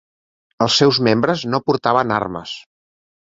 Els seus membres no portaven armes.